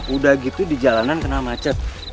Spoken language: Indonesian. udah gitu di jalanan kena macet